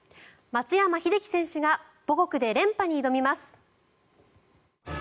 松山英樹選手が母国で連覇に挑みます。